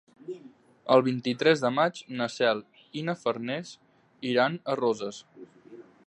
El vint-i-tres de maig na Cel i na Farners iran a Roses.